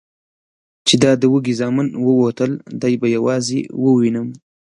چې دا د وږي زامن ووتل، دی به یوازې ووینم؟